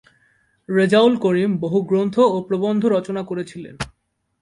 রেজাউল করিম বহু গ্রন্থ ও প্রবন্ধ রচনা করেছিলেন।